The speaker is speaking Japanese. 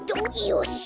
よし。